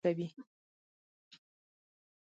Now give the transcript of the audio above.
نن هم د دیندارانو کړنې د تاریخ تکرار کوي.